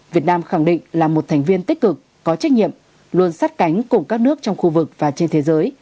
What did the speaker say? việt nam khẳng định là một thành viên tích cực có trách nhiệm luôn sát cánh cùng các nước trong khu vực và trên thế giới